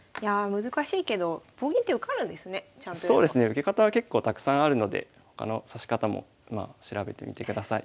受け方は結構たくさんあるので他の指し方も調べてみてください。